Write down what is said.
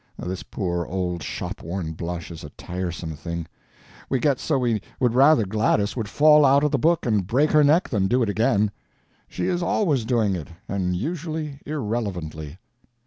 (This poor old shop worn blush is a tiresome thing. We get so we would rather Gladys would fall out of the book and break her neck than do it again. She is always doing it, and usually irrelevantly.